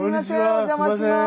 お邪魔します。